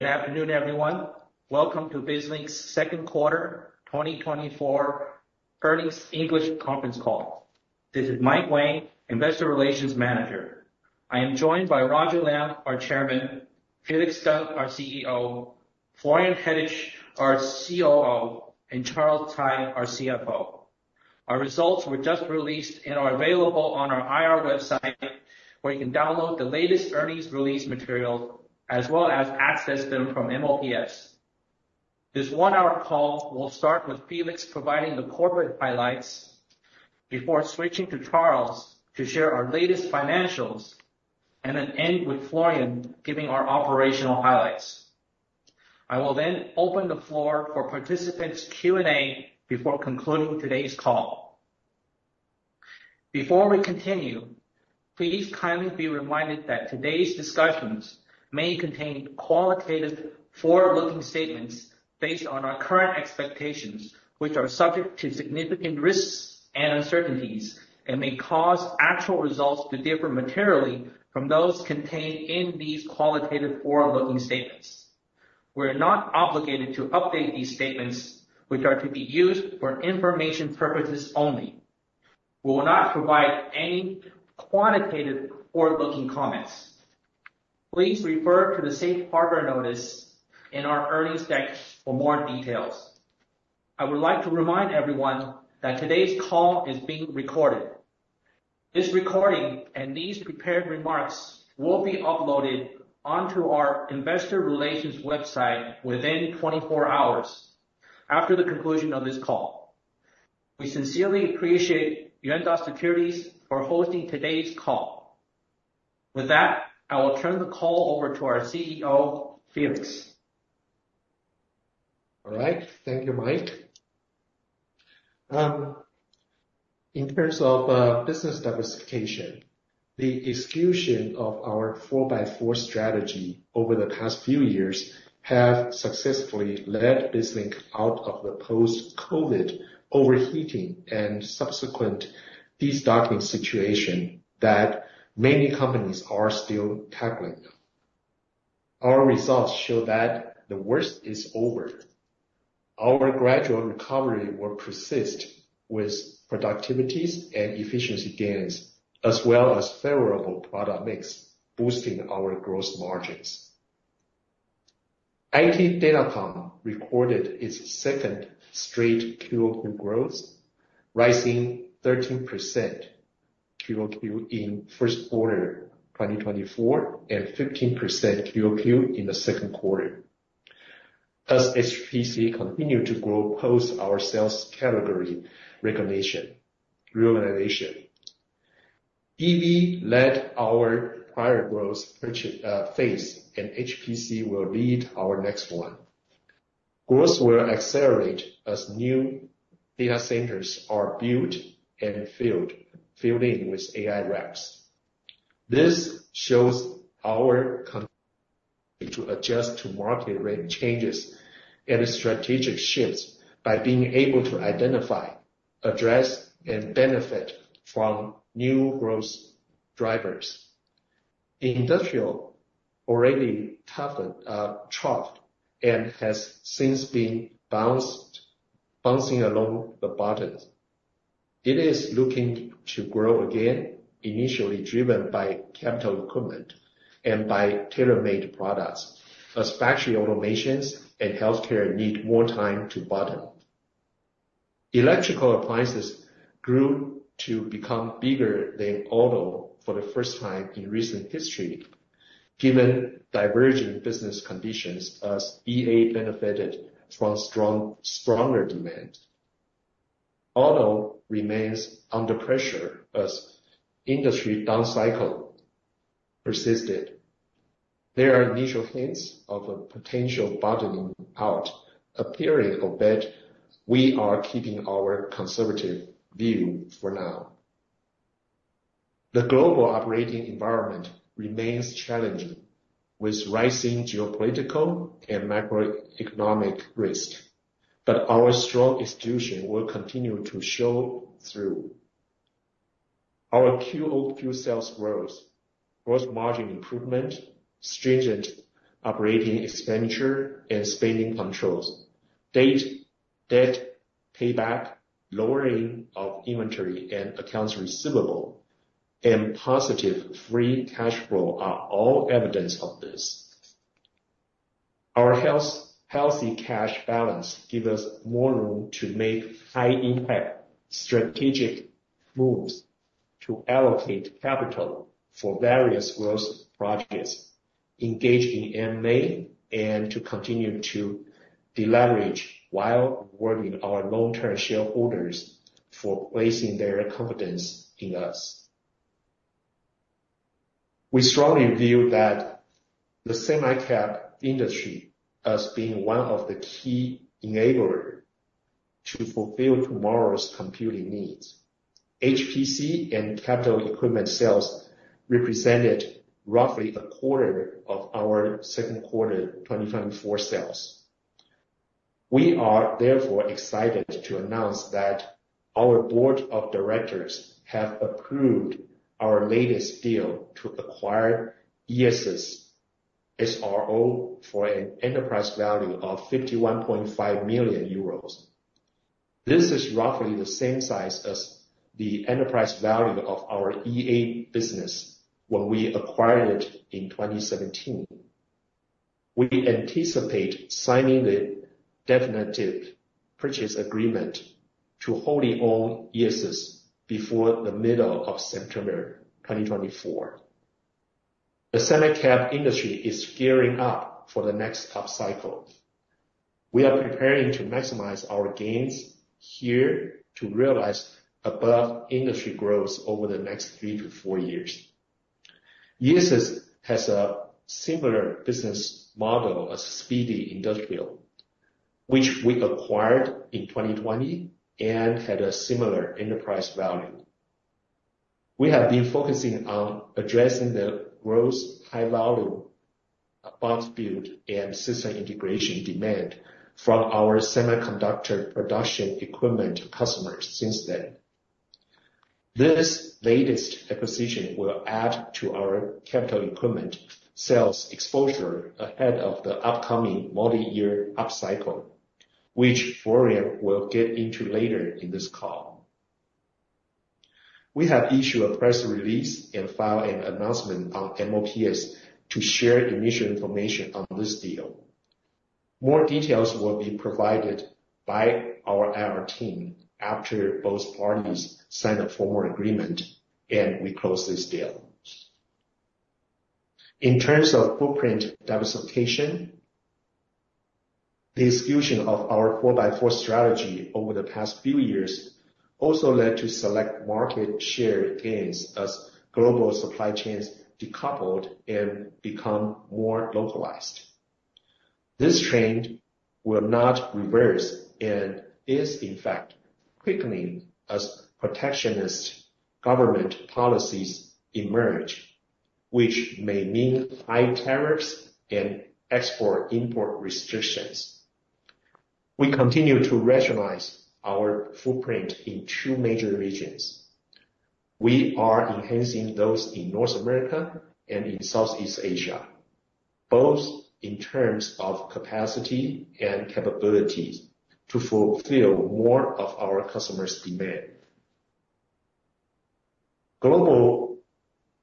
Good afternoon, everyone. Welcome to BizLink's second quarter 2024 earnings English conference call. This is Mike Wang, Investor Relations Manager. I am joined by Roger Liang, our Chairman, Felix Teng, our CEO, Florian Hettich, our COO, and Charles Tsai, our CFO. Our results were just released and are available on our IR website, where you can download the latest earnings release material as well as access them from MOPS. This one-hour call will start with Felix providing the corporate highlights before switching to Charles to share our latest financials, and then end with Florian giving our operational highlights. I will then open the floor for participants' Q&A before concluding today's call. Before we continue, please kindly be reminded that today's discussions may contain qualitative forward-looking statements based on our current expectations, which are subject to significant risks and uncertainties, and may cause actual results to differ materially from those contained in these qualitative forward-looking statements. We're not obligated to update these statements, which are to be used for information purposes only. We will not provide any quantitative forward-looking comments. Please refer to the Safe Harbor Notice in our earnings deck for more details. I would like to remind everyone that today's call is being recorded. This recording and these prepared remarks will be uploaded onto our investor relations website within twenty-four hours after the conclusion of this call. We sincerely appreciate Yuanta Securities for hosting today's call. With that, I will turn the call over to our CEO, Felix. All right, thank you, Mike. In terms of business diversification, the execution of our four-by-four strategy over the past few years have successfully led BizLink out of the post-COVID overheating and subsequent destocking situation that many companies are still tackling. Our results show that the worst is over. Our gradual recovery will persist with productivities and efficiency gains, as well as favorable product mix, boosting our growth margins. IT Datacom recorded its second straight Q-o-Q growth, rising 13% Q-o-Q in first quarter 2024, and 15% QOQ in the second quarter. As HPC continued to grow post our sales category recognition, reorganization. EV led our prior growth, which phase, and HPC will lead our next one. Growth will accelerate as new data centers are built and filled in with AI racks. This shows our ability to adjust to market rate changes and strategic shifts by being able to identify, address, and benefit from new growth drivers. Industrial already tough and troughed, and has since been bouncing along the bottom. It is looking to grow again, initially driven by capital equipment and by tailor-made products, as factory automations and healthcare need more time to bottom. Electrical appliances grew to become bigger than auto for the first time in recent history, given divergent business conditions as EA benefited from stronger demand. Auto remains under pressure as industry downcycle persisted. There are initial hints of a potential bottoming out appearing, but we are keeping our conservative view for now. The global operating environment remains challenging, with rising geopolitical and macroeconomic risk, but our strong institution will continue to show through. Our Q2 full sales growth, gross margin improvement, stringent operating expenditure and spending controls, debt payback, lowering of inventory and accounts receivable, and positive free cash flow are all evidence of this. Our healthy cash balance gives us more room to make high-impact strategic moves to allocate capital for various growth projects, engage in MA, and to continue to deleverage while rewarding our long-term shareholders for placing their confidence in us. We strongly view that the semi-cap industry as being one of the key enabler to fulfill tomorrow's computing needs. HPC and capital equipment sales represented roughly a quarter of our second quarter 2024 sales. We are therefore excited to announce that our board of directors have approved our latest deal to acquire ESS SRO for an enterprise value of 51.5 million euros. This is roughly the same size as the enterprise value of our EA business when we acquired it in twenty seventeen. We anticipate signing the definitive purchase agreement to wholly own ESS before the middle of September 2024. The SemiCap industry is gearing up for the next upcycle. We are preparing to maximize our gains here to realize above industry growth over the next three to four years. ESS has a similar business model as Speedy Industrial, which we acquired in twenty twenty and had a similar enterprise value. We have been focusing on addressing the growth, high volume, Box Build, and system integration demand from our semiconductor production equipment customers since then. This latest acquisition will add to our Capital Equipment sales exposure ahead of the upcoming multi-year upcycle, which Florian will get into later in this call. We have issued a press release and filed an announcement on MOPS to share initial information on this deal. More details will be provided by our IR team after both parties sign a formal agreement and we close this deal. In terms of footprint diversification, the execution of our four-by-four strategy over the past few years also led to select market share gains as global supply chains decoupled and become more localized. This trend will not reverse and is, in fact, quickening as protectionist government policies emerge, which may mean high tariffs and export-import restrictions. We continue to rationalize our footprint in two major regions. We are enhancing those in North America and in Southeast Asia, both in terms of capacity and capabilities, to fulfill more of our customers' demand. Global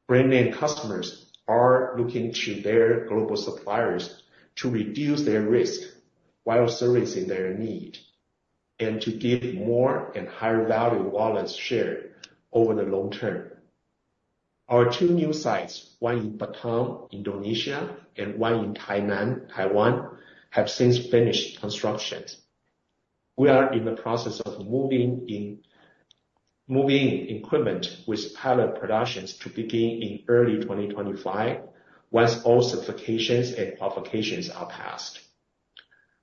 brand name customers are looking to their global suppliers to reduce their risk while servicing their need, and to give more and higher value wallet share over the long term. Our two new sites, one in Batam, Indonesia, and one in Tainan, Taiwan, have since finished constructions. We are in the process of moving in, moving equipment with pilot productions to begin in early 2025, once all certifications and qualifications are passed.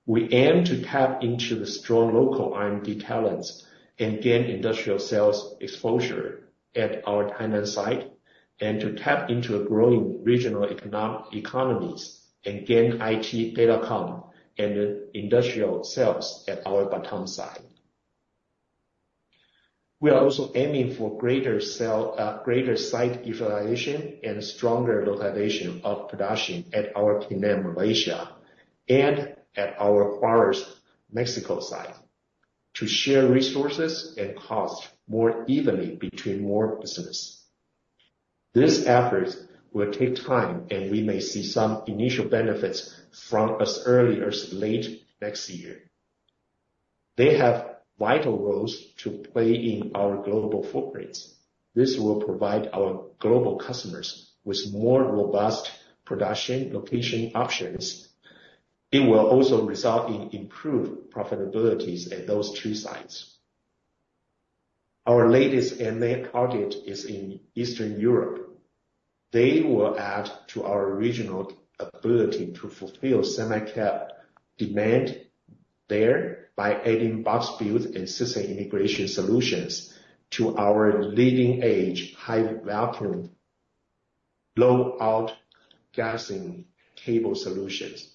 We aim to tap into the strong local R&D talents and gain industrial sales exposure at our Tainan site, and to tap into the growing regional economies and gain IT Datacom, and industrial sales at our Batam site. We are also aiming for greater site utilization and stronger localization of production at our Penang, Malaysia, and at our Juárez, Mexico, site, to share resources and cost more evenly between more business. This effort will take time, and we may see some initial benefits from as early as late next year. They have vital roles to play in our global footprints. This will provide our global customers with more robust production location options. It will also result in improved profitabilities at those two sites. Our latest MA target is in Eastern Europe. They will add to our regional ability to fulfill Semi-Cap demand there by adding box build and system integration solutions to our leading-edge, high-vacuum, low outgassing cable solutions.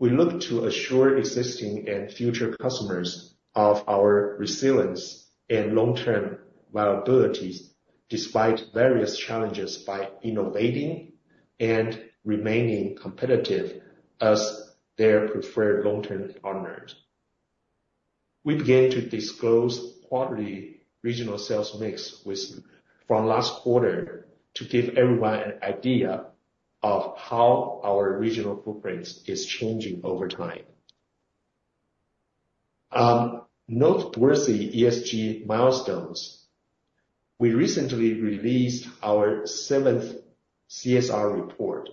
We look to assure existing and future customers of our resilience and long-term viabilities despite various challenges by innovating and remaining competitive as their preferred long-term partners. We began to disclose quarterly regional sales mix from last quarter to give everyone an idea of how our regional footprint is changing over time. Noteworthy ESG milestones. We recently released our seventh CSR report,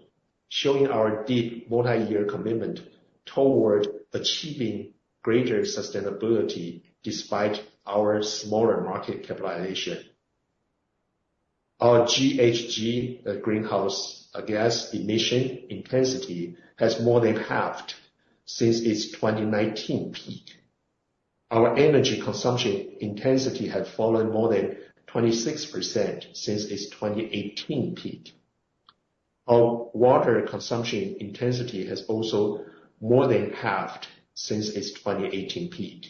showing our deep multi-year commitment toward achieving greater sustainability despite our smaller market capitalization. Our GHG, greenhouse gas emission intensity, has more than halved since its twenty nineteen peak. Our energy consumption intensity has fallen more than 26% since its twenty eighteen peak. Our water consumption intensity has also more than halved since its twenty eighteen peak.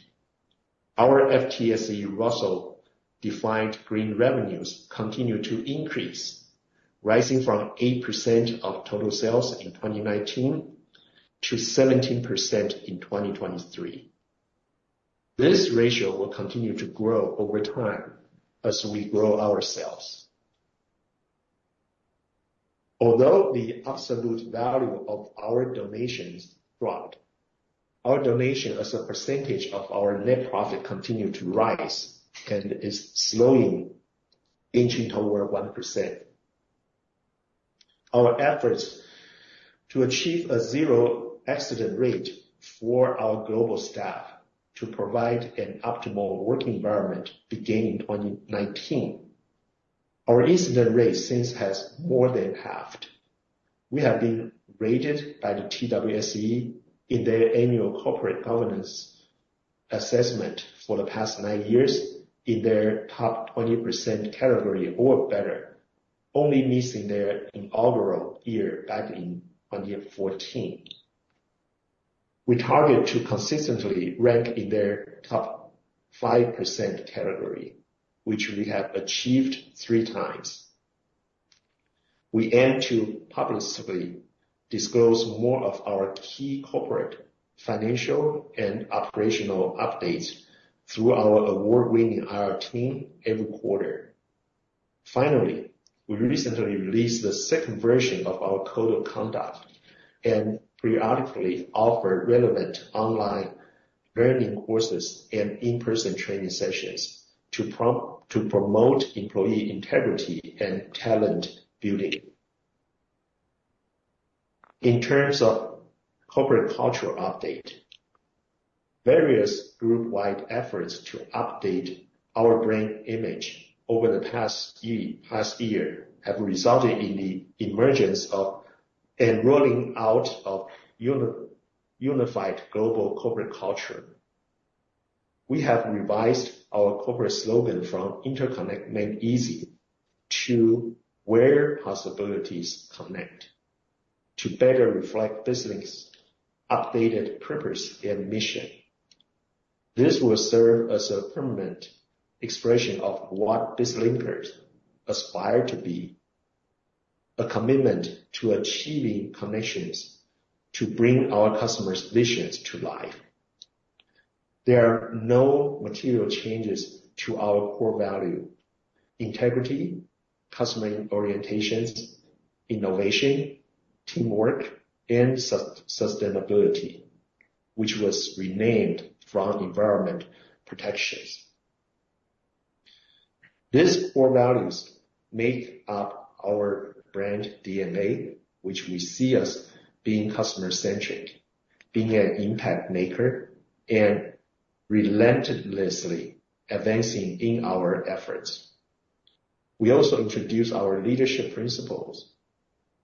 Our FTSE Russell defined green revenues continue to increase, rising from 8% of total sales in twenty nineteen to 17% in 2023. This ratio will continue to grow over time as we grow ourselves. Although the absolute value of our donations dropped, our donation as a percentage of our net profit continued to rise and is slowing, inching toward 1%. Our efforts to achieve a zero accident rate for our global staff to provide an optimal work environment began in 2019. Our incident rate since has more than halved. We have been rated by the TWSE in their annual corporate governance assessment for the past 9 years in their top 20% category or better, only missing their inaugural year back in 2014. We target to consistently rank in their top 5% category, which we have achieved three times. We aim to publicly disclose more of our key corporate, financial, and operational updates through our award-winning IR team every quarter. Finally, we recently released the second version of our code of conduct and periodically offer relevant online learning courses and in-person training sessions to promote employee integrity and talent building. In terms of corporate cultural update, various group-wide efforts to update our brand image over the past year have resulted in the emergence of and rolling out of unified global corporate culture. We have revised our corporate slogan from Interconnect Made Easy to Where Possibilities Connect, to better reflect BizLink's updated purpose and mission. This will serve as a permanent expression of what BizLinkers aspire to be, a commitment to achieving connections, to bring our customers' visions to life. There are no material changes to our core value, integrity, customer orientations, innovation, teamwork, and sustainability, which was renamed from Environmental Protection. These four values make up our brand DNA, which we see as being customer-centric, being an impact maker, and relentlessly advancing in our efforts. We also introduce our leadership principles.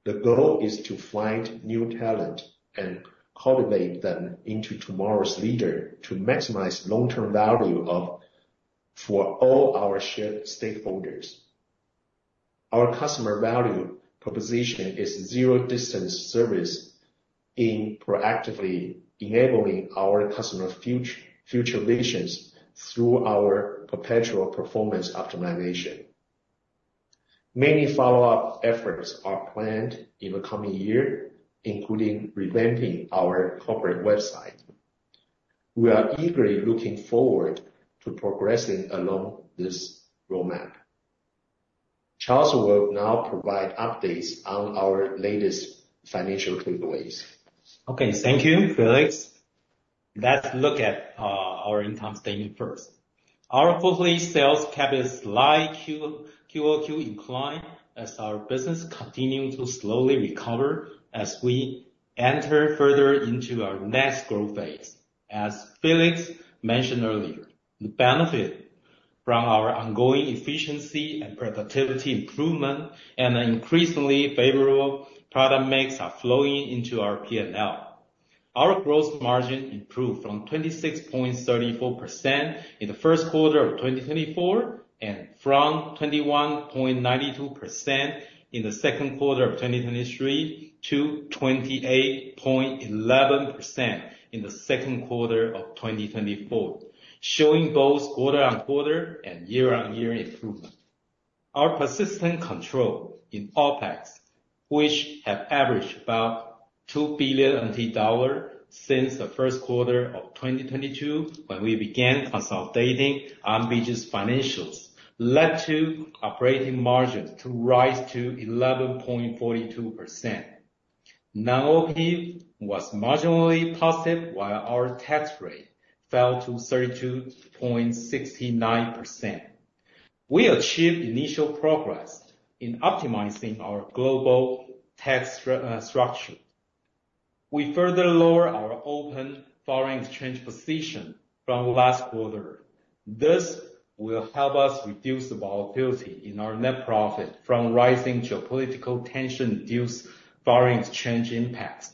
The goal is to find new talent and cultivate them into tomorrow's leader, to maximize long-term value for all our shareholders. Our customer value proposition is zero distance service in proactively enabling our customer future visions through our perpetual performance optimization. Many follow-up efforts are planned in the coming year, including revamping our corporate website. We are eagerly looking forward to progressing along this roadmap. Charles will now provide updates on our latest financial takeaways. Okay. Thank you, Felix. Let's look at our income statement first. Our quarterly sales kept a slight Q-o-Q incline as our business continued to slowly recover as we enter further into our next growth phase. As Felix mentioned earlier, the benefit from our ongoing efficiency and productivity improvement and an increasingly favorable product mix are flowing into our P&L. Our gross margin improved from 26.34% in the first quarter of 2024, and from 21.92% in the second quarter of 2023, to 28.11% in the second quarter of 2024, showing both quarter-on-quarter and year-on-year improvement. Our persistent control in OpEx, which have averaged about 2 billion dollar since the first quarter of 2022, when we began consolidating INBG's financials, led to operating margins to rise to 11.42%. Non-OP was marginally positive, while our tax rate fell to 32.69%. We achieved initial progress in optimizing our global tax structure. We further lowered our open foreign exchange position from last quarter. This will help us reduce the volatility in our net profit from rising geopolitical tension due to foreign exchange impacts.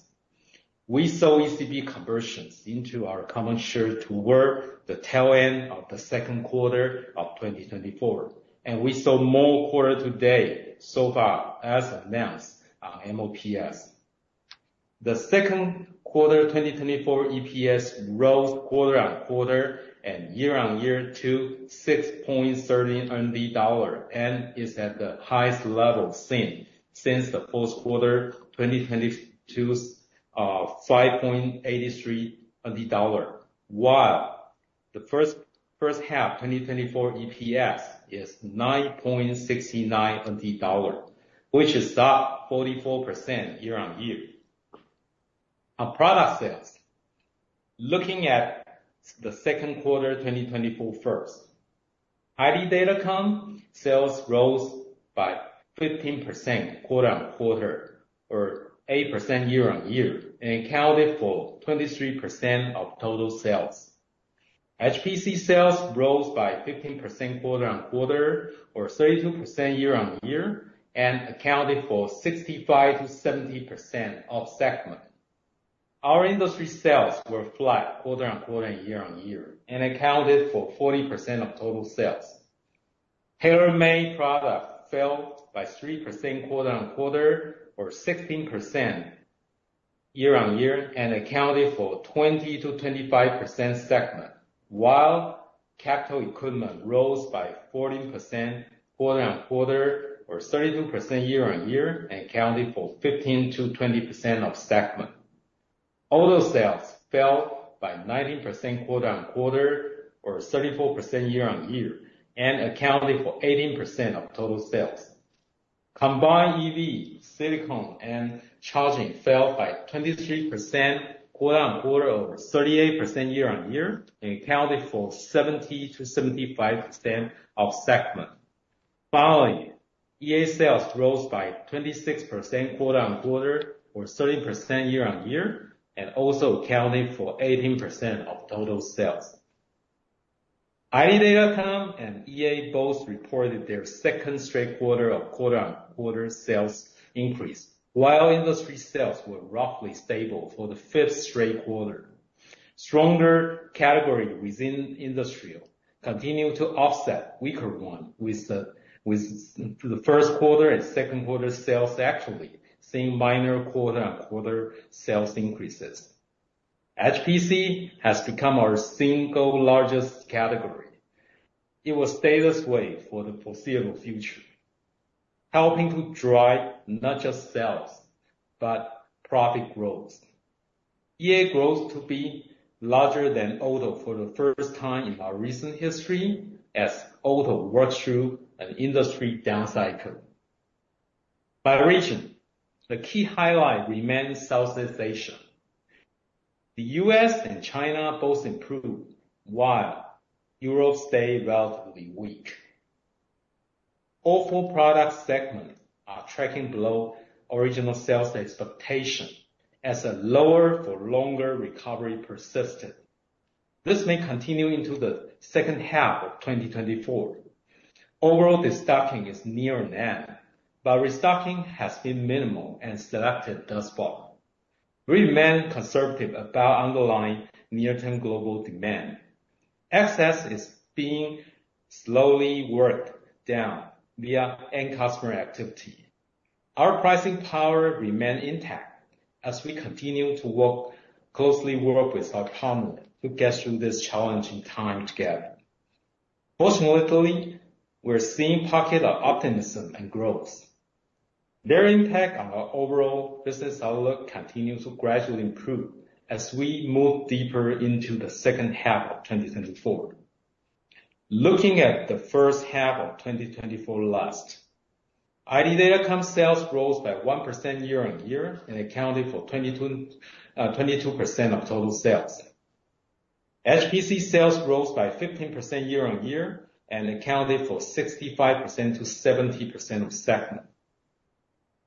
We saw ECB conversions into our common share toward the tail end of the second quarter of 2024, and we saw more quarter to date so far, as announced on MOPS. The second quarter 2024 EPS rose quarter on quarter and year-on-year to $6.13, and is at the highest level seen since the first quarter twenty twenty-two's $5.83. While the first half 2024 EPS is $9.69, which is up 44% year-on-year. On product sales, looking at the second quarter 2024 first. IT Datacom sales rose by 15% quarter on quarter, or 8% year-on-year, and accounted for 23% of total sales. HPC sales rose by 15% quarter on quarter, or 32% year-on-year, and accounted for 65%-70% of segment. Our industry sales were flat quarter on quarter, and year-on-year, and accounted for 40% of total sales. Tailor-made product fell by 3% quarter on quarter, or 16% year-on-year, and accounted for 20%-25% segment, while capital equipment rose by 14% quarter on quarter, or 32% year-on-year, and accounted for 15%-20% of segment. Auto sales fell by 19% quarter on quarter, or 34% year-on-year, and accounted for 18% of total sales. Combined EV, silicone and charging fell by 23% quarter on quarter, or 38% year-on-year, and accounted for 70% to 75% of segment. Finally, EA sales rose by 26% quarter on quarter, or 13% year-on-year, and also accounted for 18% of total sales. IT Datacom and EA both reported their second straight quarter of quarter on quarter sales increase, while industry sales were roughly stable for the fifth straight quarter. Stronger category within industrial continued to offset weaker one with the first quarter and second quarter sales actually seeing minor quarter on quarter sales increases. HPC has become our single largest category. It will stay this way for the foreseeable future, helping to drive not just sales, but profit growth. EA grows to be larger than auto for the first time in our recent history, as auto works through an industry down cycle. By region, the key highlight remains Southeast Asia. The US and China both improved, while Europe stayed relatively weak. All four product segments are tracking below original sales expectation as a lower for longer recovery persisted. This may continue into the second half of 2024. Overall, the stocking is near an end, but restocking has been minimal and selected thus far. We remain conservative about underlying near-term global demand. Excess is being slowly worked down via end customer activity. Our pricing power remain intact as we continue to work closely with our partners to get through this challenging time together. Most importantly, we're seeing pocket of optimism and growth. Their impact on our overall business outlook continues to gradually improve as we move deeper into the second half of 2024. Looking at the first half of 2024 last, IT Datacom sales rose by 1% year-on-year, and accounted for 22% of total sales. HPC sales rose by 15% year-on-year, and accounted for 65%-70% of segment.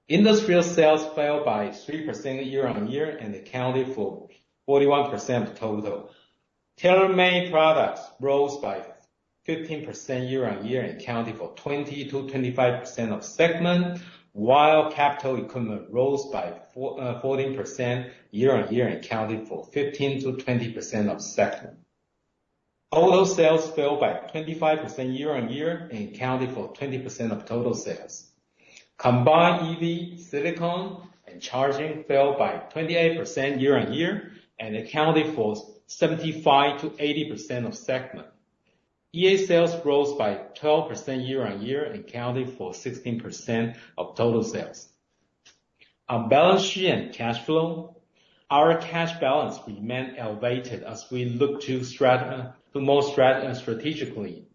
Industrial sales fell by 3% year-on-year, and accounted for 41% of total. Tailor-made products rose by 15% year-on-year, and accounted for 20%-25% of segment, while capital equipment rose by 14% year-on-year, and accounted for 15%-20% of segment. Auto sales fell by 25% year-on-year, and accounted for 20% of total sales. Combined EV, silicone and charging fell by 28% year-on-year, and accounted for 75%-80% of segment. EA sales rose by 12% year-on-year, accounting for 16% of total sales. On balance sheet and cash flow, our cash balance remained elevated as we look to strategically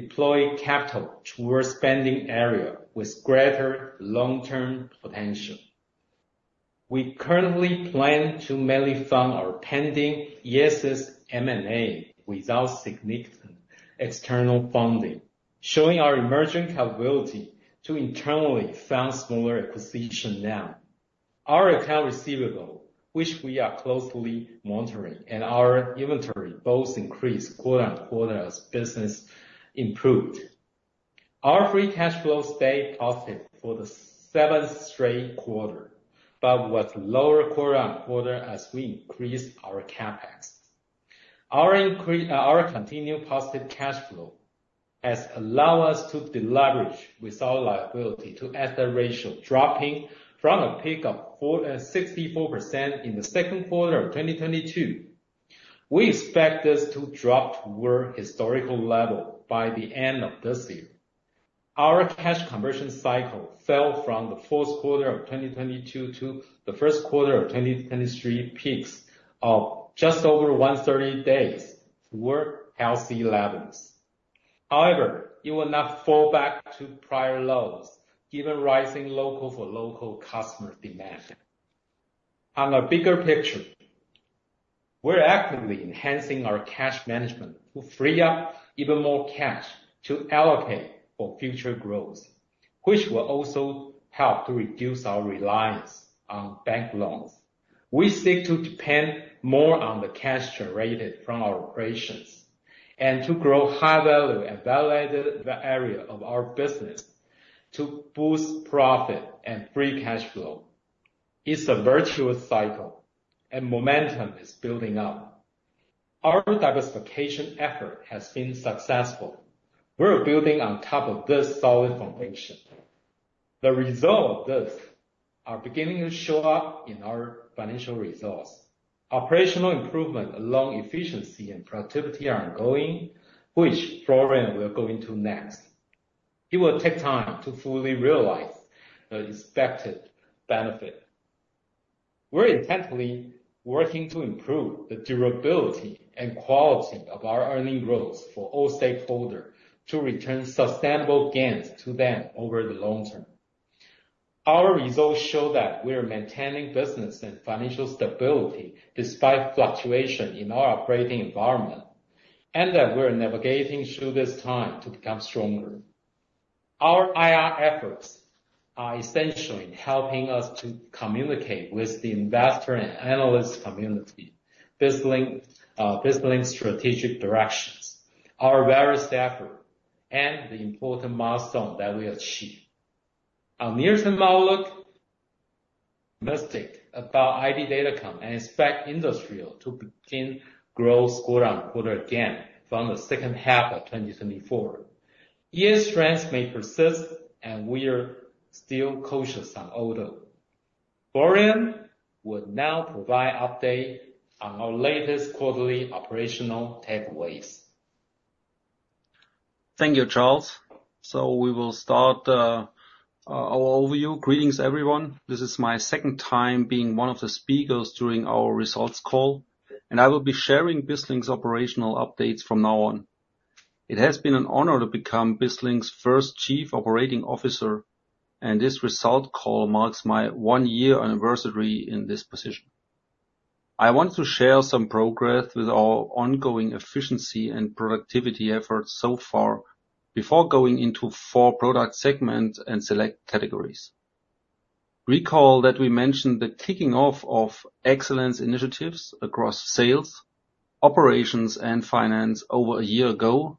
deploy capital towards spending area with greater long-term potential. We currently plan to mainly fund our pending ESS SRO M&A without significant external funding, showing our emerging capability to internally fund smaller acquisition now. Our accounts receivable, which we are closely monitoring, and our inventory both increased quarter on quarter as business improved. Our free cash flow stayed positive for the seventh straight quarter, but was lower quarter on quarter as we increased our CapEx. Our continued positive cash flow has allowed us to deleverage with our liability to asset ratio, dropping from a peak of 64% in the second quarter of 2022. We expect this to drop to our historical level by the end of this year. Our cash conversion cycle fell from the fourth quarter of 2022 to the first quarter of 2023, peaks of just over 130 days to more healthy levels. However, it will not fall back to prior lows, given rising local for local customer demand. On a bigger picture, we're actively enhancing our cash management to free up even more cash to allocate for future growth, which will also help to reduce our reliance on bank loans. We seek to depend more on the cash generated from our operations, and to grow high-value and value-added areas of our business to boost profits and free cash flow. It's a virtuous cycle, and momentum is building up. Our diversification effort has been successful. We're building on top of this solid foundation. The results of this are beginning to show up in our financial results. Operational improvement along with efficiency and productivity are ongoing, which is a program we're going to next. It will take time to fully realize the expected benefits. We're intently working to improve the durability and quality of our earnings growth for all stakeholders, to return sustainable gains to them over the long term. Our results show that we are maintaining business and financial stability despite fluctuations in our operating environment, and that we're navigating through this time to become stronger. Our IR efforts are essentially helping us to communicate with the investor and analyst community, BizLink's strategic directions, our various efforts, and the important milestones that we achieve. Our near-term outlook is optimistic about IT datacom and we expect industrial to begin growth quarter on quarter again from the second half of 2024. Weakness may persist, and we are still cautious on orders. Florian will now provide an update on our latest quarterly operational takeaways. Thank you, Charles. So we will start our overview. Greetings, everyone. This is my second time being one of the speakers during our results call, and I will be sharing BizLink's operational updates from now on. It has been an honor to become BizLink's first Chief Operating Officer, and this results call marks my one-year anniversary in this position. I want to share some progress with our ongoing efficiency and productivity efforts so far, before going into four product segments and select categories. Recall that we mentioned the kicking off of excellence initiatives across sales, operations, and finance over a year ago,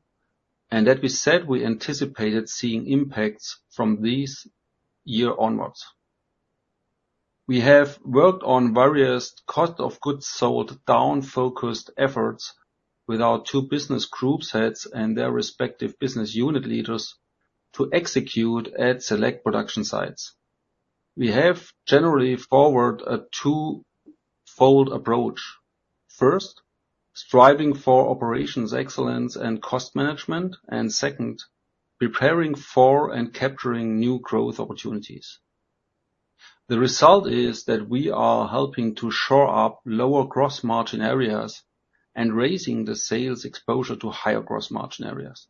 and that we said we anticipated seeing impacts from this year onwards. We have worked on various cost of goods sold, down-focused efforts with our two business groups heads and their respective business unit leaders to execute at select production sites. We have generally followed a two-fold approach. First, striving for operations excellence and cost management. And second, preparing for and capturing new growth opportunities. The result is that we are helping to shore up lower gross margin areas and raising the sales exposure to higher gross margin areas.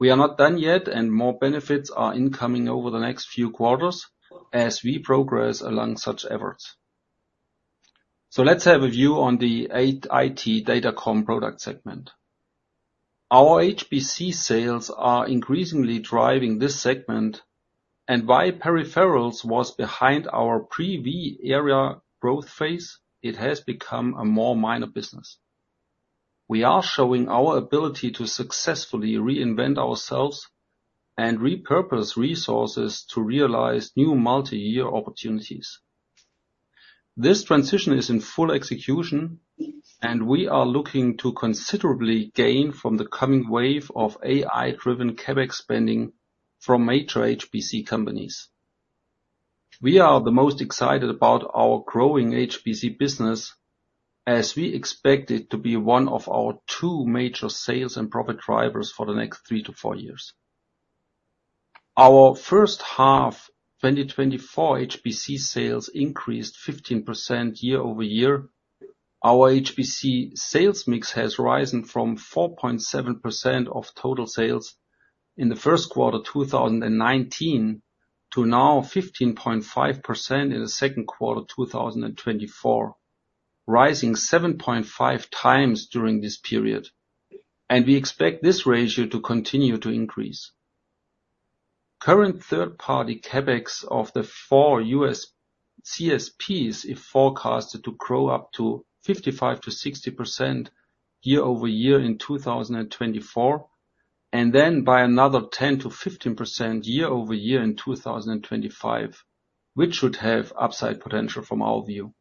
We are not done yet, and more benefits are incoming over the next few quarters as we progress along such efforts. So let's have a view on the AI IT Datacom product segment. Our HPC sales are increasingly driving this segment, and while peripherals was behind our pre-AI era growth phase, it has become a more minor business. We are showing our ability to successfully reinvent ourselves and repurpose resources to realize new multi-year opportunities. This transition is in full execution, and we are looking to considerably gain from the coming wave of AI-driven CapEx spending from major HPC companies. We are the most excited about our growing HPC business, as we expect it to be one of our two major sales and profit drivers for the next three to four years. Our first half 2024 HPC sales increased 15% year-over-year. Our HPC sales mix has risen from 4.7% of total sales in the first quarter 2019 to now 15.5% in the second quarter 2024, rising 7.5 times during this period, and we expect this ratio to continue to increase. Current third-party CapEx of the four U.S. CSPs is forecasted to grow up to 55%-60% year-over-year in 2024, and then by another 10%-15% year-over-year in 2025, which should have upside potential from our view.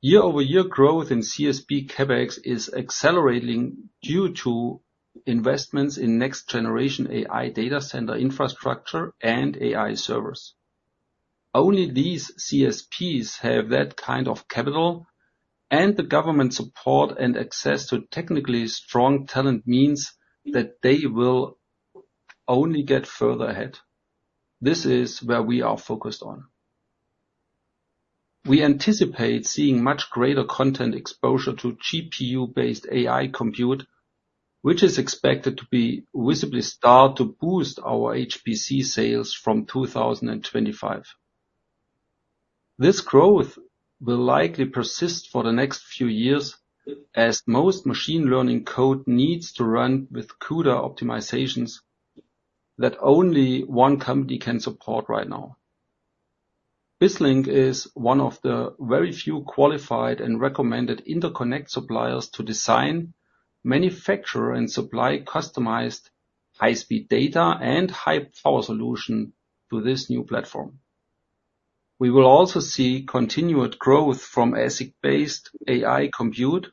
Year-over-year growth in CSP CapEx is accelerating due to investments in next generation AI data center infrastructure and AI servers. Only these CSPs have that kind of capital, and the government support and access to technically strong talent means that they will only get further ahead. This is where we are focused on. We anticipate seeing much greater content exposure to GPU-based AI compute, which is expected to be visibly start to boost our HPC sales from 2025. This growth will likely persist for the next few years, as most machine learning code needs to run with CUDA optimizations that only one company can support right now. BizLink is one of the very few qualified and recommended interconnect suppliers to design, manufacture, and supply customized high-speed data and high power solution to this new platform. We will also see continued growth from ASIC-based AI compute,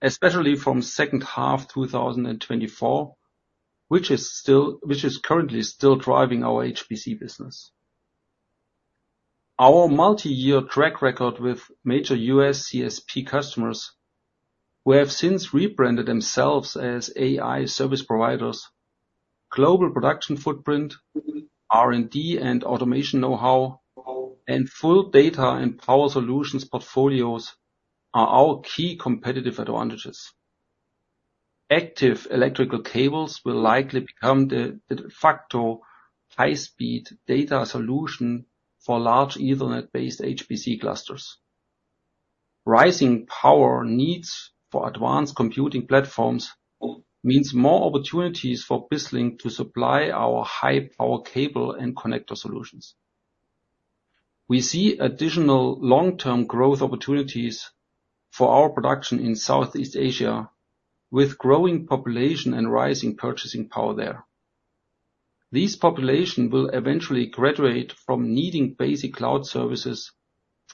especially from second half 2024, which is currently still driving our HPC business. Our multi-year track record with major US CSP customers, who have since rebranded themselves as AI service providers, global production footprint, R&D and automation know-how, and full data and power solutions portfolios, are our key competitive advantages. Active electrical cables will likely become the de facto high-speed data solution for large Ethernet-based HPC clusters. Rising power needs for advanced computing platforms means more opportunities for BizLink to supply our high power cable and connector solutions. We see additional long-term growth opportunities for our production in Southeast Asia, with growing population and rising purchasing power there. These population will eventually graduate from needing basic cloud services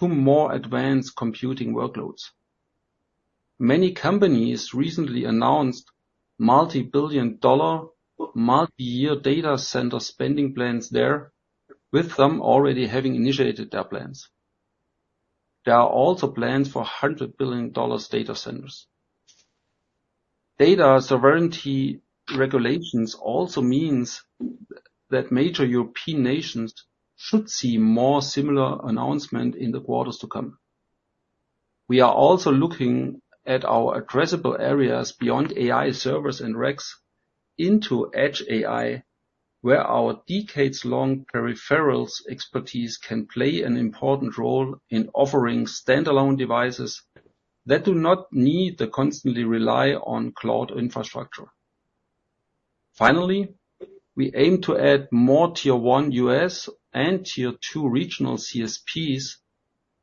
to more advanced computing workloads. Many companies recently announced multi-billion-dollar, multi-year data center spending plans there, with some already having initiated their plans. There are also plans for hundred-billion-dollar data centers. Data sovereignty regulations also means that major European nations should see more similar announcements in the quarters to come. We are also looking at our addressable areas beyond AI servers and racks into edge AI, where our decades-long peripherals expertise can play an important role in offering standalone devices that do not need to constantly rely on cloud infrastructure. Finally, we aim to add more Tier One U.S. and Tier Two regional CSPs,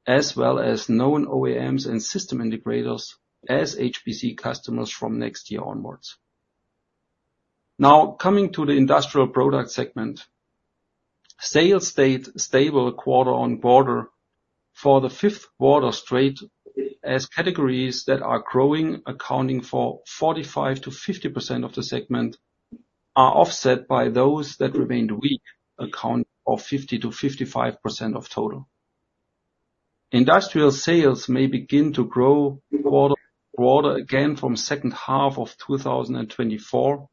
as well as known OEMs and system integrators as HPC customers from next year onwards. Now, coming to the industrial product segment, sales stayed stable quarter on quarter for the fifth quarter straight, as categories that are growing, accounting for 45%-50% of the segment, are offset by those that remained weak, accounting for 50%-55% of total. Industrial sales may begin to grow quarter, quarter again from second half of 2024,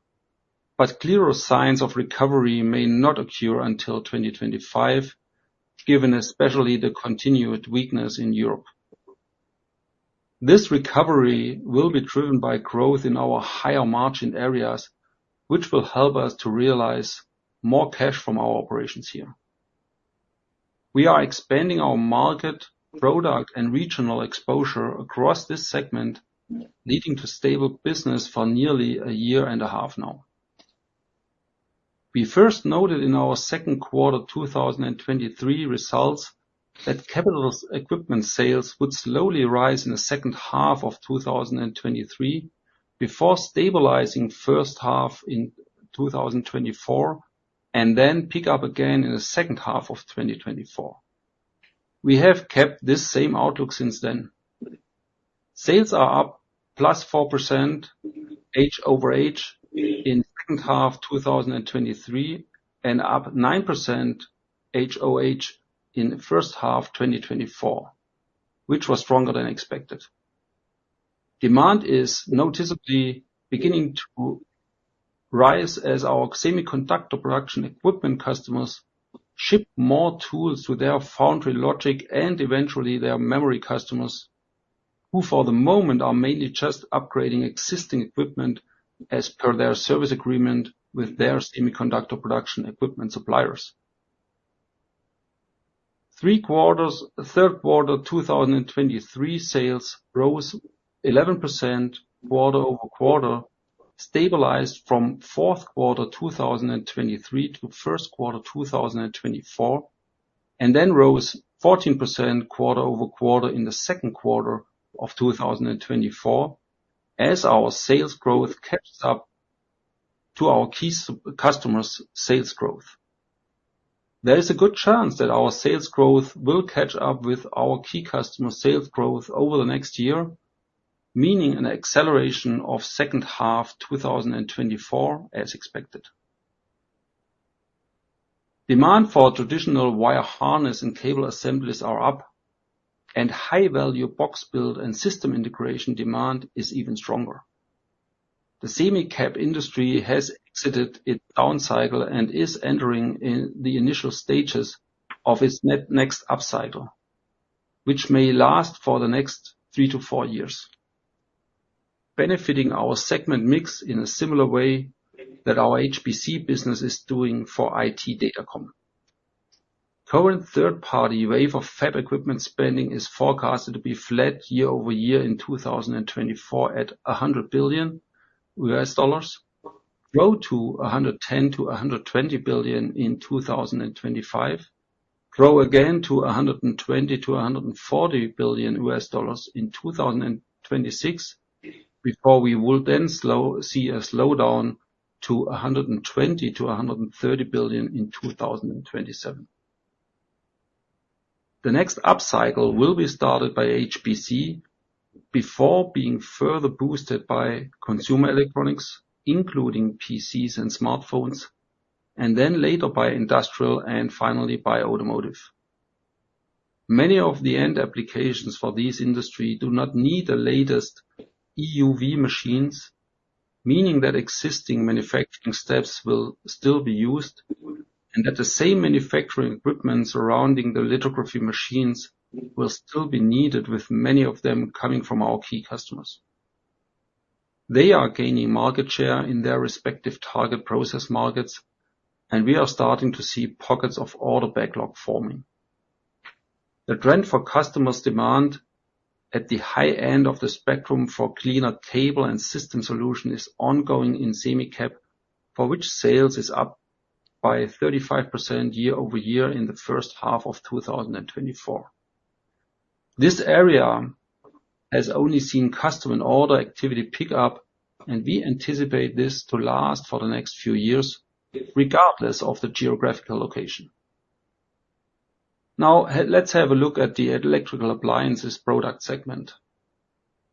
but clearer signs of recovery may not occur until 2025, given especially the continued weakness in Europe. This recovery will be driven by growth in our higher margin areas, which will help us to realize more cash from our operations here. We are expanding our market, product, and regional exposure across this segment, leading to stable business for nearly a year and a half now. We first noted in our second quarter 2023 results, that capital equipment sales would slowly rise in the second half of 2023, before stabilizing first half in 2024, and then pick up again in the second half of 2024. We have kept this same outlook since then. Sales are up plus 4%, H over H, in second half 2023, and up 9% HOH in the first half 2024, which was stronger than expected. Demand is noticeably beginning to rise as our semiconductor production equipment customers ship more tools to their foundry logic and eventually their memory customers, who, for the moment, are mainly just upgrading existing equipment as per their service agreement with their semiconductor production equipment suppliers. Three quarters, third quarter 2023 sales rose 11% quarter over quarter, stabilized from fourth quarter 2023 to first quarter 2024, and then rose 14% quarter over quarter in the second quarter of 2024, as our sales growth kept up to our key customers' sales growth. There is a good chance that our sales growth will catch up with our key customer sales growth over the next year, meaning an acceleration of second half 2024, as expected. Demand for traditional wire harness and cable assemblies are up, and high value box build and system integration demand is even stronger. The SemiCap industry has exited its down cycle and is entering in the initial stages of its next upcycle, which may last for the next three to four years, benefiting our segment mix in a similar way that our HPC business is doing for IT Datacom. Current third-party wave of fab equipment spending is forecasted to be flat year-over-year in 2024, at $100 billion, grow to $110 billion-$120 billion in 2025, grow again to $120 billion-$140 billion in 2026, before we will then see a slowdown to $120 billion-$130 billion in 2027. The next upcycle will be started by HBC, before being further boosted by consumer electronics, including PCs and smartphones, and then later by industrial, and finally by automotive. Many of the end applications for these industry do not need the latest EUV machines, meaning that existing manufacturing steps will still be used, and that the same manufacturing equipment surrounding the lithography machines will still be needed, with many of them coming from our key customers. They are gaining market share in their respective target process markets, and we are starting to see pockets of order backlog forming. The trend for customers' demand at the high end of the spectrum for cleaner cable and system solution is ongoing in SemiCap, for which sales is up by 35% year-over-year in the first half of 2024. This area has only seen customer and order activity pick up, and we anticipate this to last for the next few years, regardless of the geographical location. Now, let's have a look at the electrical appliances product segment.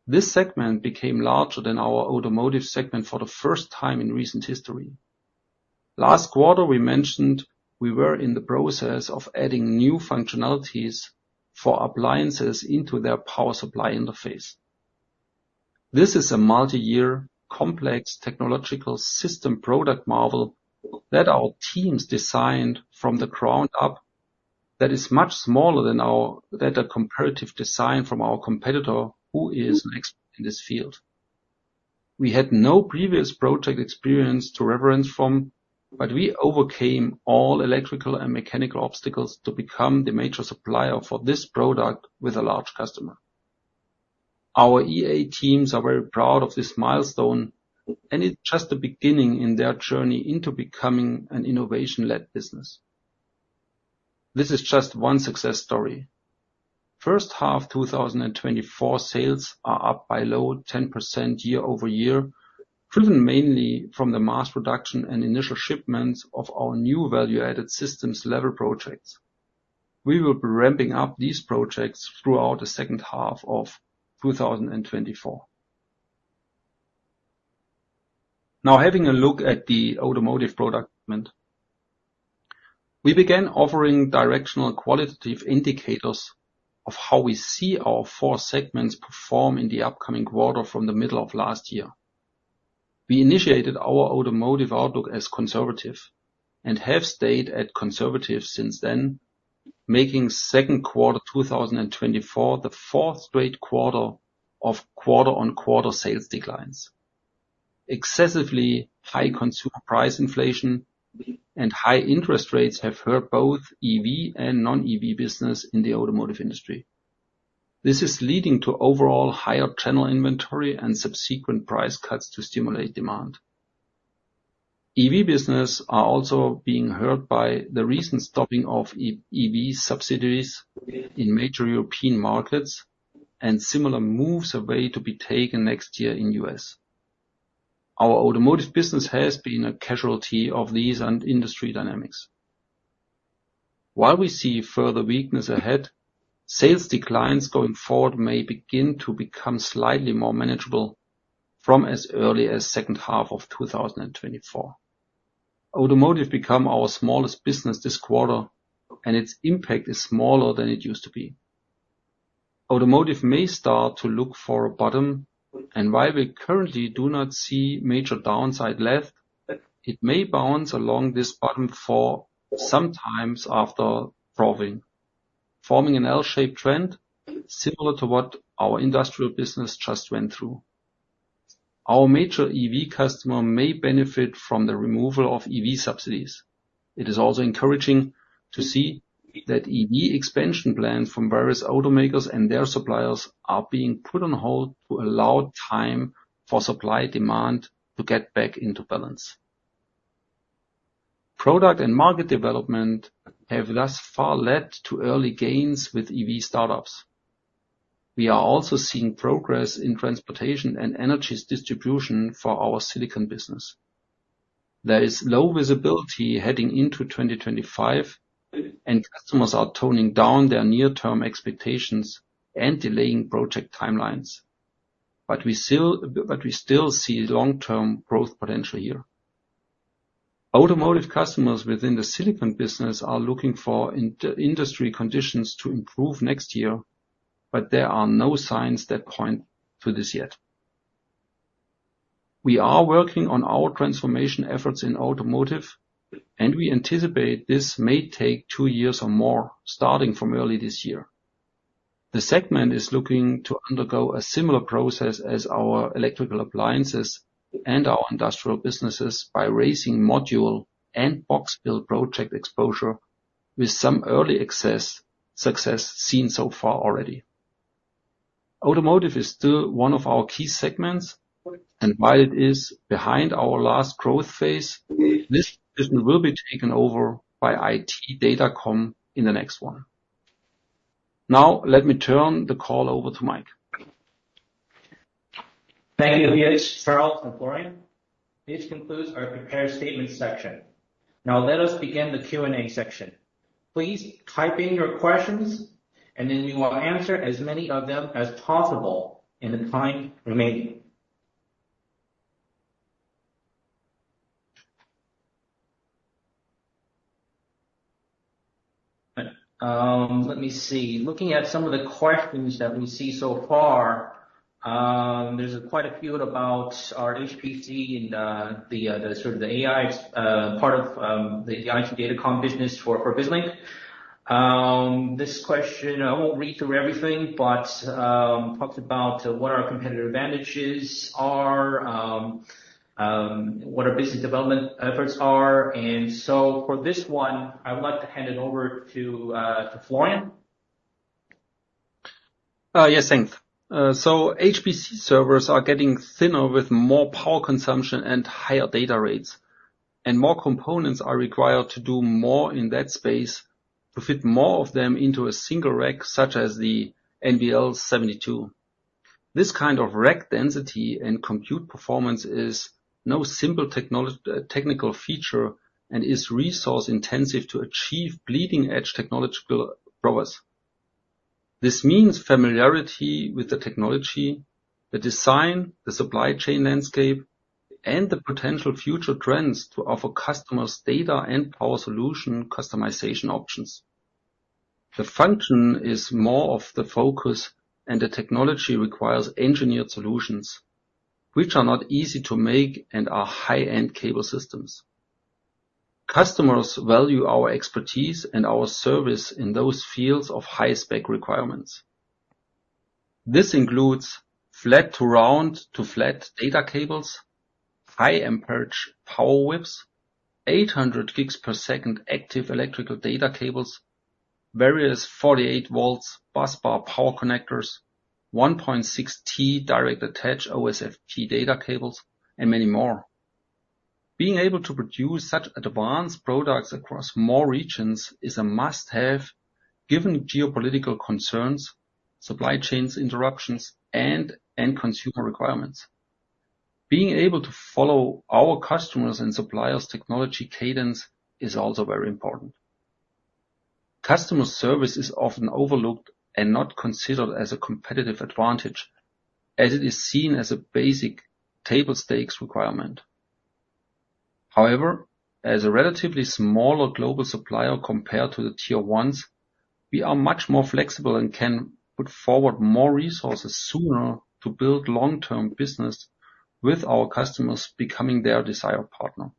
This segment became larger than our automotive segment for the first time in recent history. Last quarter, we mentioned we were in the process of adding new functionalities for appliances into their power supply interface. This is a multi-year, complex technological system product model that our teams designed from the ground up, that is much smaller than the comparative design from our competitor, who is an expert in this field. We had no previous project experience to reference from, but we overcame all electrical and mechanical obstacles to become the major supplier for this product with a large customer. Our EA teams are very proud of this milestone, and it's just the beginning in their journey into becoming an innovation-led business. This is just one success story. First half 2024 sales are up by low 10% year-over-year, driven mainly from the mass production and initial shipments of our new value-added systems level projects. We will be ramping up these projects throughout the second half of 2024. Now, having a look at the automotive product segment. We began offering directional qualitative indicators of how we see our four segments perform in the upcoming quarter from the middle of last year. We initiated our automotive outlook as conservative and have stayed at conservative since then, making second quarter 2024, the fourth straight quarter of quarter-on-quarter sales declines. Excessively high consumer price inflation and high interest rates have hurt both EV and non-EV business in the automotive industry. This is leading to overall higher channel inventory and subsequent price cuts to stimulate demand. EV business are also being hurt by the recent stopping of EV subsidies in major European markets, and similar moves are due to be taken next year in U.S. Our automotive business has been a casualty of these and industry dynamics. While we see further weakness ahead, sales declines going forward may begin to become slightly more manageable from as early as second half of 2024. Automotive become our smallest business this quarter, and its impact is smaller than it used to be. Automotive may start to look for a bottom, and while we currently do not see major downside left, it may bounce along this bottom for some time after probing, forming an L-shaped trend similar to what our industrial business just went through. Our major EV customer may benefit from the removal of EV subsidies. It is also encouraging to see that EV expansion plans from various automakers and their suppliers are being put on hold to allow time for supply demand to get back into balance. Product and market development have thus far led to early gains with EV startups. We are also seeing progress in transportation and energy distribution for our silicone business. There is low visibility heading into 2025, and customers are toning down their near-term expectations and delaying project timelines. But we still see long-term growth potential here. Automotive customers within the silicon business are looking for industry conditions to improve next year, but there are no signs that point to this yet. We are working on our transformation efforts in automotive, and we anticipate this may take two years or more, starting from early this year. The segment is looking to undergo a similar process as our electrical appliances and our industrial businesses by raising module and box build project exposure with some early success seen so far already. Automotive is still one of our key segments, and while it is behind our last growth phase, this position will be taken over by IT Datacom in the next one. Now, let me turn the call over to Mike. Thank you, Felix, Charles, and Florian. This concludes our prepared statement section. Now let us begin the Q&A section. Please type in your questions, and then we will answer as many of them as possible in the time remaining. Let me see. Looking at some of the questions that we see so far, there's quite a few about our HPC and the sort of the AI part of the IT Datacom business for BizLink. This question, I won't read through everything, but talks about what our competitive advantages are, what our business development efforts are. And so for this one, I would like to hand it over to Florian. Yes, thanks, so HPC servers are getting thinner with more power consumption and higher data rates, and more components are required to do more in that space to fit more of them into a single rack, such as the NVL72. This kind of rack density and compute performance is no simple technical feature and is resource-intensive to achieve bleeding-edge technological progress. This means familiarity with the technology, the design, the supply chain landscape, and the potential future trends to offer customers data and power solution customization options. The function is more of the focus, and the technology requires engineered solutions which are not easy to make and are high-end cable systems. Customers value our expertise and our service in those fields of high spec requirements. This includes flat-to-round-to-flat data cables, high amperage power whips, 800 gigs per second active electrical data cables, various 48-volt busbar power connectors, 1.6 T direct attach OSFP data cables, and many more. Being able to produce such advanced products across more regions is a must-have, given geopolitical concerns, supply chains interruptions, and end consumer requirements. Being able to follow our customers and suppliers' technology cadence is also very important. Customer service is often overlooked and not considered as a competitive advantage, as it is seen as a basic table stakes requirement. However, as a relatively smaller global supplier compared to the tier ones, we are much more flexible and can put forward more resources sooner to build long-term business with our customers, becoming their desired partner.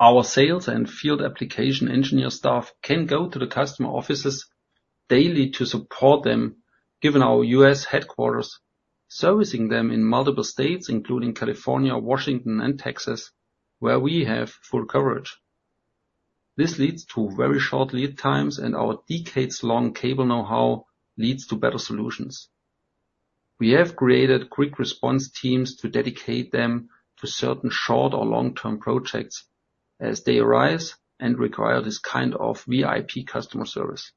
Our sales and field application engineer staff can go to the customer offices daily to support them, given our U.S. headquarters, servicing them in multiple states, including California, Washington, and Texas, where we have full coverage. This leads to very short lead times, and our decades-long cable know-how leads to better solutions. We have created quick response teams to dedicate them to certain short or long-term projects as they arise and require this kind of VIP customer service.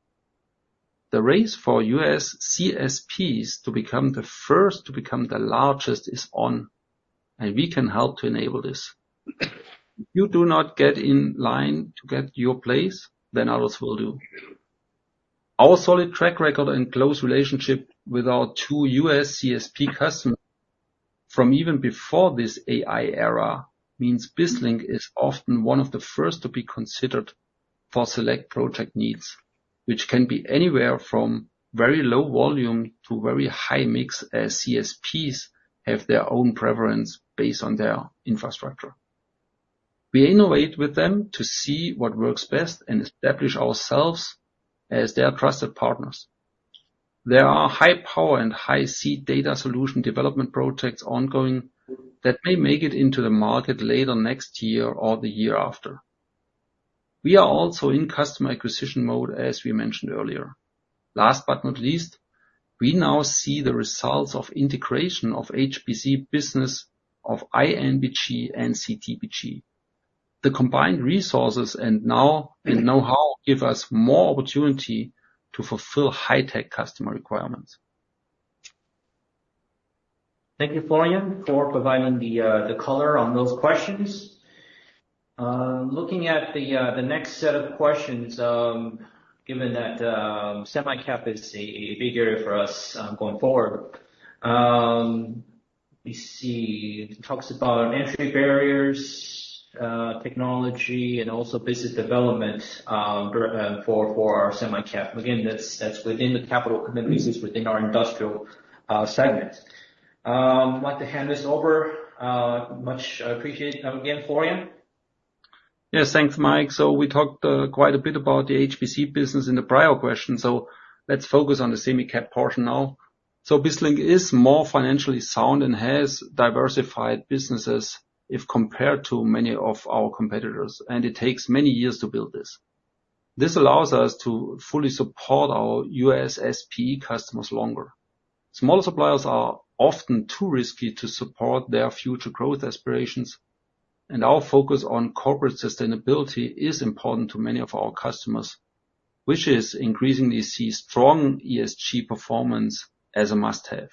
The race for U.S. CSPs to become the first to become the largest is on, and we can help to enable this. If you do not get in line to get your place, then others will do. Our solid track record and close relationship with our two U.S. CSP customers from even before this AI era means BizLink is often one of the first to be considered for select project needs, which can be anywhere from very low volume to very high mix, as CSPs have their own preference based on their infrastructure. We innovate with them to see what works best and establish ourselves as their trusted partners. There are high power and high-speed data solution development projects ongoing that may make it into the market later next year or the year after. We are also in customer acquisition mode, as we mentioned earlier. Last but not least, we now see the results of integration of HPC business of INBG and CTBG. The combined resources and know-how give us more opportunity to fulfill high-tech customer requirements. Thank you, Florian, for providing the color on those questions. Looking at the next set of questions, given that SemiCap is a big area for us going forward. We see it talks about our entry barriers, technology, and also business development for our SemiCap. Again, that's within the capital pieces within our industrial segment. I'd like to hand this over, much appreciate again, Florian. Yes, thanks, Mike. So we talked quite a bit about the HPC business in the prior question, so let's focus on the SemiCap portion now. So BizLink is more financially sound and has diversified businesses if compared to many of our competitors, and it takes many years to build this. This allows us to fully support our U.S. SPE customers longer. Smaller suppliers are often too risky to support their future growth aspirations, and our focus on corporate sustainability is important to many of our customers, which is increasingly see strong ESG performance as a must-have.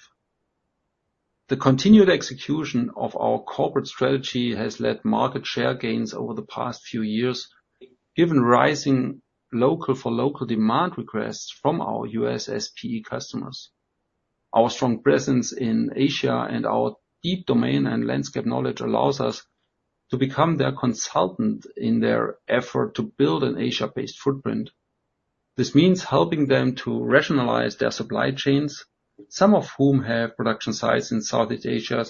The continued execution of our corporate strategy has led market share gains over the past few years, given rising local for local demand requests from our U.S. SPE customers. Our strong presence in Asia and our deep domain and landscape knowledge allows us to become their consultant in their effort to build an Asia-based footprint. This means helping them to rationalize their supply chains, some of whom have production sites in Southeast Asia,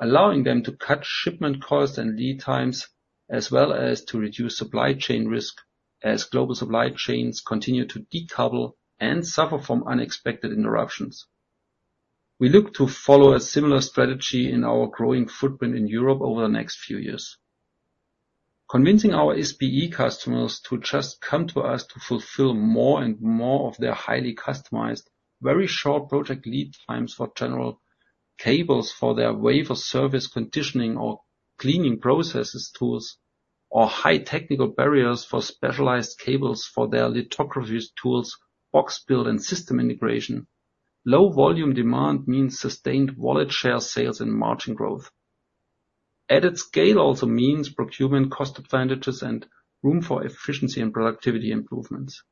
allowing them to cut shipment costs and lead times, as well as to reduce supply chain risk as global supply chains continue to decouple and suffer from unexpected interruptions. We look to follow a similar strategy in our growing footprint in Europe over the next few years. Convincing our SPE customers to just come to us to fulfill more and more of their highly customized, very short project lead times for general cables, for their wafer service, conditioning or cleaning processes tools, or high technical barriers for specialized cables, for their lithography tools, box build and system integration. Low volume demand means sustained wallet share sales and margin growth. Added scale also means procurement cost advantages and room for efficiency and productivity improvements.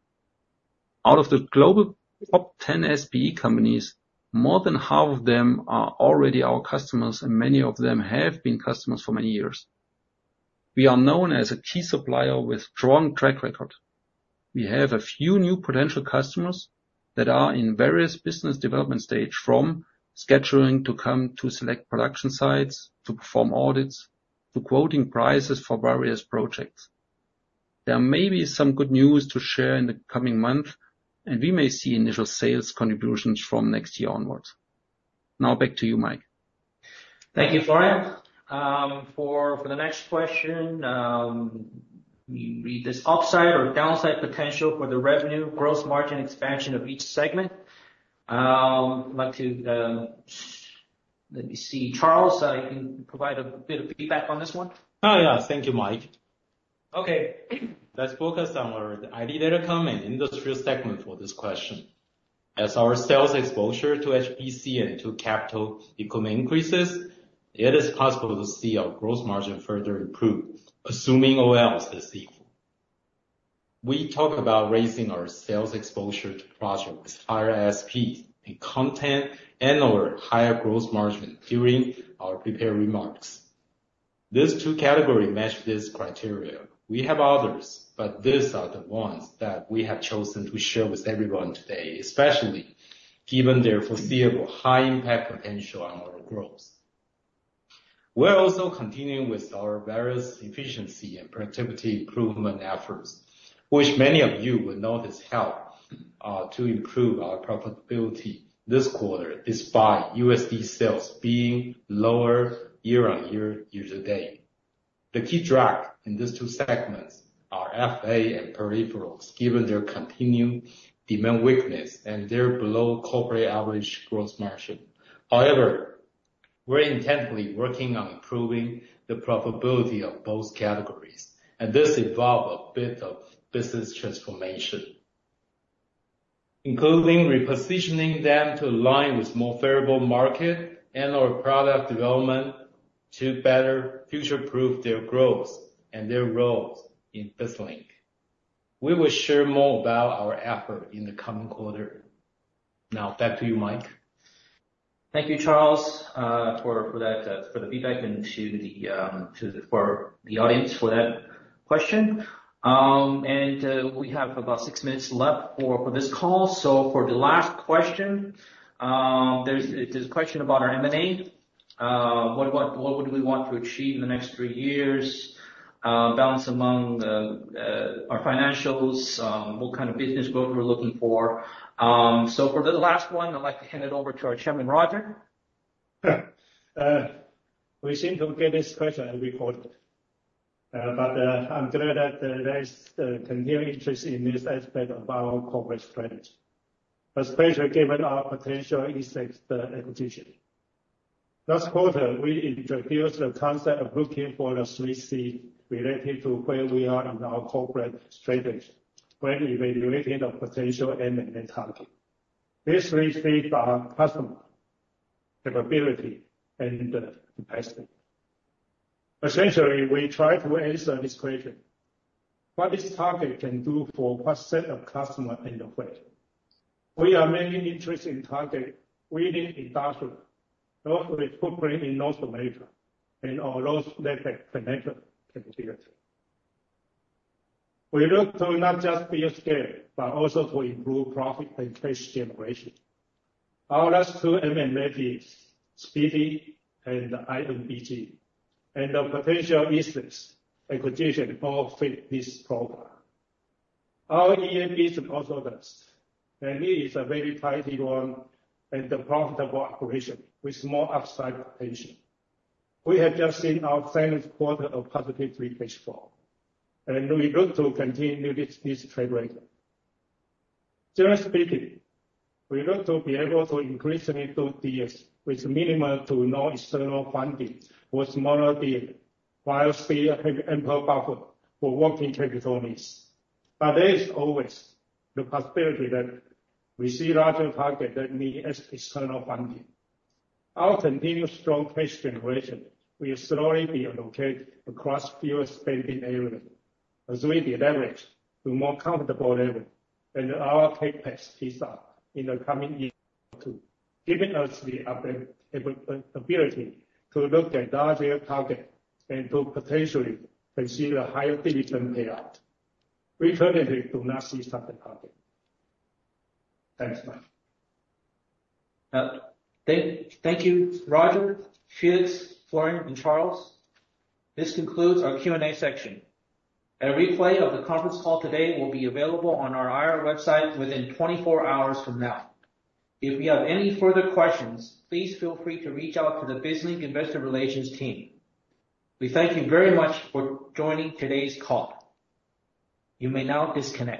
Out of the global top 10 SPE companies, more than half of them are already our customers, and many of them have been customers for many years. We are known as a key supplier with strong track record. We have a few new potential customers that are in various business development stage, from scheduling to come to select production sites, to perform audits, to quoting prices for various projects. There may be some good news to share in the coming month, and we may see initial sales contributions from next year onwards. Now back to you, Mike. Thank you, Florian. For the next question, we read this upside or downside potential for the revenue growth margin expansion of each segment. I'd like to, let me see. Charles, you can provide a bit of feedback on this one? Oh, yeah. Thank you, Mike. Okay, let's focus on our ID data comm and industrial segment for this question. As our sales exposure to HPC and to capital equipment increases, it is possible to see our growth margin further improve, assuming all else is equal. We talk about raising our sales exposure to projects, higher ASPs and content, and/or higher growth margin during our prepared remarks. These two categories match this criteria. We have others, but these are the ones that we have chosen to share with everyone today, especially given their foreseeable high impact potential on our growth. We're also continuing with our various efficiency and productivity improvement efforts, which many of you will notice help to improve our profitability this quarter, despite USD sales being lower year-on-year, year-to-date. The key drag in these two segments are FA and peripherals, given their continued demand weakness and their below corporate average growth margin. However, we're intently working on improving the profitability of both categories, and this involve a bit of business transformation, including repositioning them to align with more favorable market and/or product development to better future-proof their growth and their roles in BizLink. We will share more about our effort in the coming quarter. Now back to you, Mike. Thank you, Charles, for that feedback and to the audience for that question. And we have about six minutes left for this call. So for the last question, there's a question about our M&A. What would we want to achieve in the next three years? Balance among our financials, what kind of business growth we're looking for. So for the last one, I'd like to hand it over to our Chairman, Roger. Sure. We seem to get this question every quarter, but I'm glad that there's continued interest in this aspect of our corporate strategy, especially given our potential in the acquisition. Last quarter, we introduced the concept of looking for the three Cs related to where we are in our corporate strategy when evaluating the potential M&A target. These three Cs are customer, capability, and capacity. Essentially, we try to answer this question: What this target can do for what set of customers and the way? We are mainly interested in targets within industrial, also with footprint in North America, and all those that have connection capabilities. We look to not just to scale, but also to improve profit and cash generation. Our last two M&As, Speedy and INBG, and the potential Easys acquisition all fit this profile. Our EAB also does, and it is a very tidy one, and a profitable operation with more upside potential. We have just seen our finest quarter of positive free cash flow, and we look to continue this track record. Generally speaking, we look to be able to increase the M&A deals with minimal to no external funding for smaller deals, while still have ample buffer for working capital needs. But there is always the possibility that we see larger targets that need extra external funding. Our continued strong cash generation will slowly be allocated across fewer spending areas as we deleverage to more comfortable levels, and our CapEx picks up in the coming year or two, giving us the ability to look at larger targets and to potentially receive a higher dividend payout. We currently do not see such a target. Thanks, Brian. Thank you, Roger, Felix, Florian, and Charles. This concludes our Q&A section. A replay of the conference call today will be available on our IR website within 24 hours from now. If you have any further questions, please feel free to reach out to the BizLink Investor Relations team. We thank you very much for joining today's call. You may now disconnect.